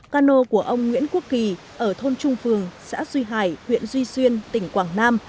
cano của ông nguyễn quốc kỳ ở thôn trung phường xã duy hải huyện duy xuyên tỉnh quảng nam